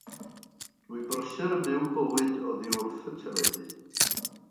Dwi'n brysur yn byw bywyd oddi wrth y teledu.